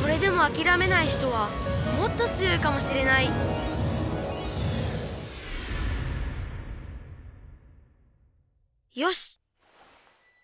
それでもあきらめない人はもっと強いかもしれないよし！